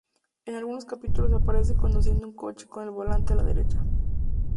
En algunos capítulos aparece conduciendo un coche con el volante a la derecha.